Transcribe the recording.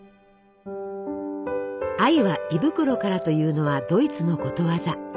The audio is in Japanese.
「愛は胃袋から」というのはドイツのことわざ。